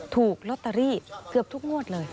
ถูกลอตเตอรี่เกือบทุกงวดเลย